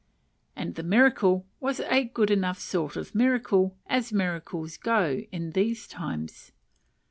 And the miracle was a good enough sort of miracle, as miracles go in these times.